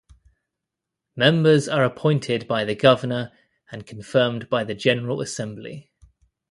Members are appointed by the Governor and confirmed by the General Assembly.